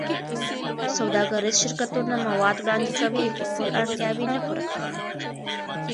سوداګریز شرکتونه مواد وړاندې کوي، خو ټول اړتیاوې نه پوره کېږي.